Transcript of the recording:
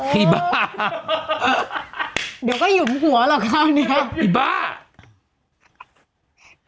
หี้บ้าเดี๋ยวก็หยุ่มหัวเหรอคราวเนี้ยเห็นไหม